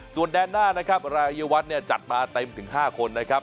ส่วนแดนหน้านะครับรายวัฒน์เนี่ยจัดมาเต็มถึง๕คนนะครับ